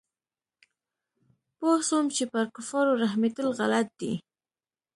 پوه سوم چې پر کفارو رحمېدل غلط دي.